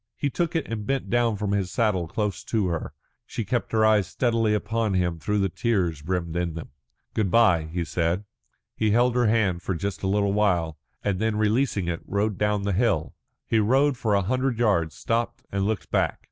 He took it and bent down from his saddle close to her. She kept her eyes steadily upon him though the tears brimmed in them. "Good bye," he said. He held her hand just for a little while, and then releasing it, rode down the hill. He rode for a hundred yards, stopped and looked back.